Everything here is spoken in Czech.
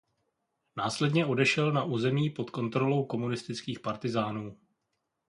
Následně odešel na území pod kontrolou komunistických partyzánů.